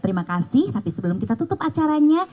terima kasih tapi sebelum kita tutup acaranya